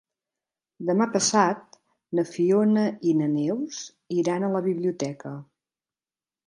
Demà passat na Fiona i na Neus iran a la biblioteca.